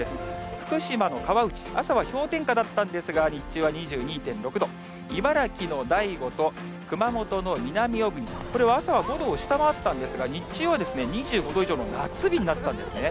福島の川内、朝は氷点下だったんですが、日中は２２．６度、茨城の大子と熊本の南小国、これは朝は５度を下回ったんですが、日中は２５度以上の夏日になったんですね。